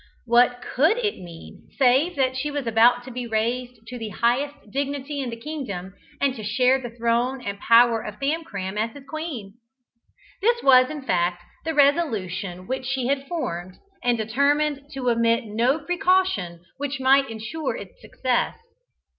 What could it mean save that she was about to be raised to the highest dignity in the kingdom, and to share the throne and power of Famcram as his queen? This was in fact the resolution which she had formed, and determined to omit no precaution which might ensure its success.